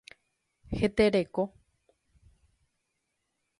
Hetereko.